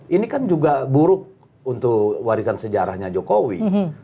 ini kan juga buruk untuk warisan sejarahnya jokowi